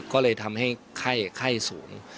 ก็เลยทำให้ไข้สูง